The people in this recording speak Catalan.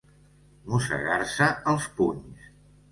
Mossegar-se els punys.